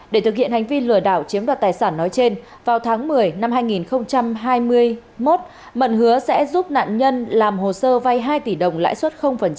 để thực hiện hành vi lừa đảo chiếm đoạt tài sản nói trên vào tháng một mươi năm hai nghìn hai mươi một mận hứa sẽ giúp nạn nhân làm hồ sơ vay hai tỷ đồng lãi suất